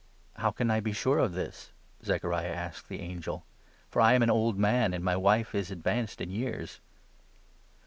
"" How can I be sure of this? " Zechariah asked the angel. 18 " For I am an old man and my wife is advanced in years."